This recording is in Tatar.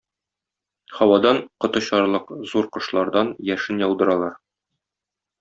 Һавадан коточарлык зур кошлардан яшен яудыралар.